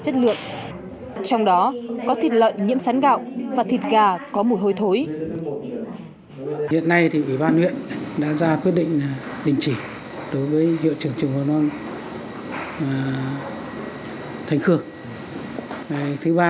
chất lượng trong đó có thịt lợn nhiễm sán gạo và thịt gà có mùi hôi thối